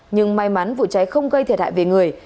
nhưng may mắn vụ cháy không gây thiệt hại về người